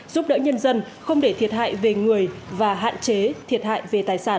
giúp đỡ nhân dân không để thiệt hại về người và hạn chế thiệt hại về tài sản